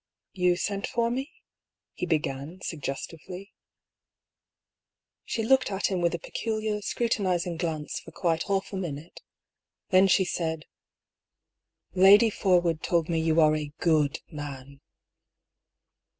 " You sent for me ?" he began, suggestively. She looked at him with a peculiar, scrutinising glance for quite half a minute. Then she said : 202 DR. PAULL'S THEORY. " Lady Forwood told me you are a good man."